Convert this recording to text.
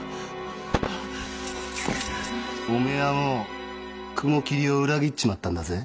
お前はもう雲霧を裏切っちまったんだぜ。